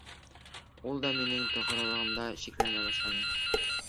Ул да минең тоғролоғомда шикләнә башланы.